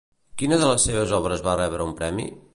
Quina de les seves obres va rebre un premi?